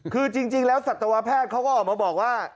คือจริงแล้วสัตวแพทย์เขาก็ออกมาบอกว่า